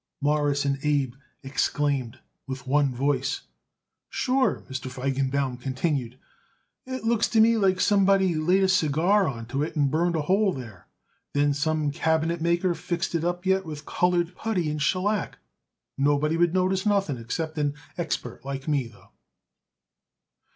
Morris and Abe exclaimed with one voice. [Illustration: LOOK AT THEM GOODS.] "Sure," Mr. Feigenbaum continued. "It looks to me like somebody laid a cigar on to it and burned a hole there. Then some cabinetmaker fixed it up yet with colored putty and shellac. Nobody would notice nothing except an expert like me, though."